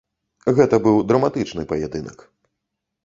Гэта быў драматычны паядынак.